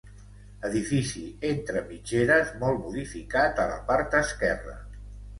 Edifici entre mitgeres molt modificat a la part esquerra.